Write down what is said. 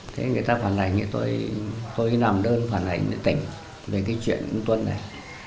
thế người ta phản ảnh thì tôi làm đơn phản ảnh tỉnh về cái chuyện như tuân này